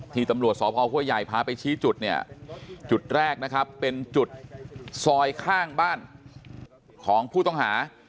ตำรวจสพห้วยใหญ่พาไปชี้จุดเนี่ยจุดแรกนะครับเป็นจุดซอยข้างบ้านของผู้ต้องหา